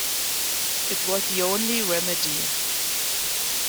It was the only remedy.